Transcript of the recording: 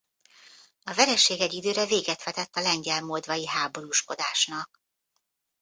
A vereség egy időre véget vetett a lengyel–moldvai háborúskodásnak.